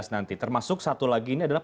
nanti termasuk satu lagi ini adalah